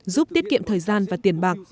giúp tiết kiệm thời gian và tiền bạc